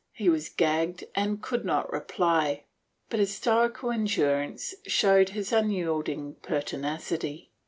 He was gagged and could not reply, but his stoical endurance showed his unyielding pertinacity.